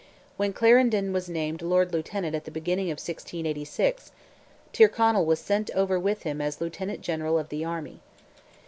When Clarendon was named Lord Lieutenant at the beginning of 1686, Tyrconnell was sent over with him as Lieutenant General of the army.